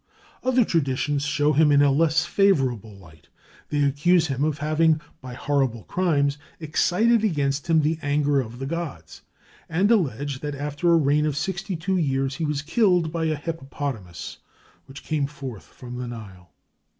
Other traditions show him in a less favorable light. They accuse him of having, by horrible crimes, excited against him the anger of the gods, and allege that after a reign of sixty two years he was killed by a hippopotamus which came forth from the Nile.